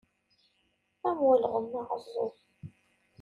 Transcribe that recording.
Am ulɣem aɛeẓẓug.